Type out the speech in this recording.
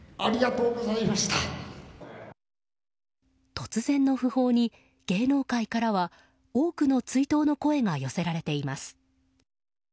突然の訃報に芸能界からは多くの追悼の声が寄せられています。